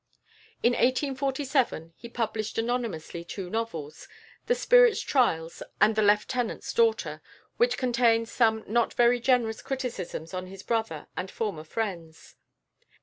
In 1847 he published anonymously two novels, "The Spirit's Trials" and "The Lieutenant's Daughter," which contained some not very generous criticisms on his brother and former friends.